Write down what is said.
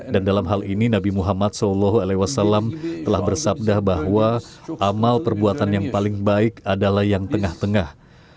dan dalam hal ini nabi muhammad saw telah bersabda bahwa amal perbuatan yang paling baik adalah yang tengah tengah